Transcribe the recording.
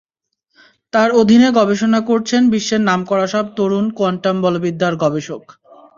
তাঁর অধীনে গবেষণা করছেন বিশ্বের নামকরা সব তরুণ কোয়ান্টাম বলবিদ্যার গবেষক।